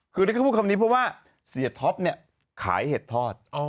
คือที่เขาพูดคำนี้เพราะว่าเสียท็อปเนี่ยขายเห็ดทอด